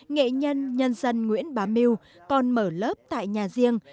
nghệ nhân nhân dân nguyễn bà miu còn mở lớp tại nhà riêng